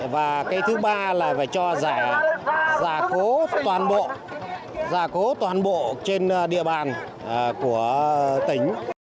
và cái thứ ba là phải cho giải cố toàn bộ gia cố toàn bộ trên địa bàn của tỉnh